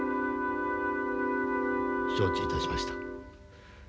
承知いたしました。